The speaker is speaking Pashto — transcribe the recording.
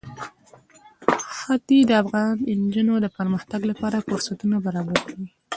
ښتې د افغان نجونو د پرمختګ لپاره فرصتونه برابروي.